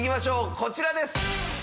こちらです！